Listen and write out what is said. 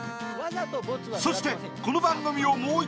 そしてこの番組を